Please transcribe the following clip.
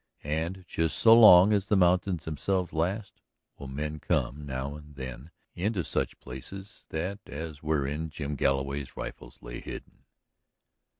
And just so long as the mountains themselves last, will men come now and then into such places as that wherein Jim Galloway's rifles lay hidden.